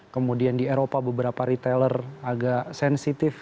kemudian di eropa beberapa retailer agak sensitif